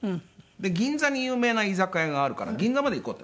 銀座に有名な居酒屋があるから銀座まで行こうって。